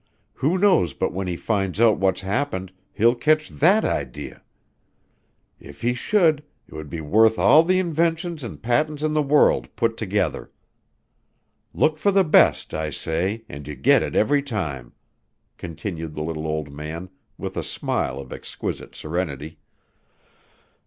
Who knows but when he finds out what's happened he'll kitch that idee? If he should, 'twould be worth all the inventions and patents in the world put together. Look for the best, I say, an' you get it every time," continued the little old man, with a smile of exquisite serenity.